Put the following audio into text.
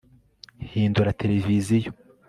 hindura televiziyo